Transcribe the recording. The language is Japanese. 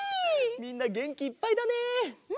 みんなげんきいっぱいだね！